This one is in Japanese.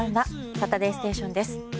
「サタデーステーション」です。